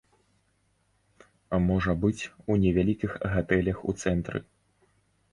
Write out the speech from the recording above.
Можа быць, у невялікіх гатэлях у цэнтры.